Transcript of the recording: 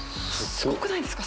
すごくないですか。